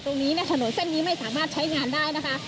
ตรงนี้เนี่ยถนนเส้นนี้ไม่สามารถใช้งานได้นะคะ